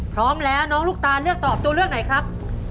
พร้อมแล้วน้องลูกตานเลือกตอบตัวเลือกไหนครับ